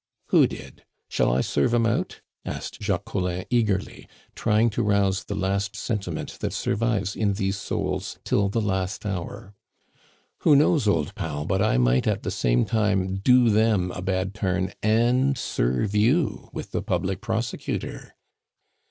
"Who did? Shall I serve 'em out?" asked Jacques Collin eagerly, trying to rouse the last sentiment that survives in these souls till the last hour. "Who knows, old pal, but I might at the same time do them a bad turn and serve you with the public prosecutor?"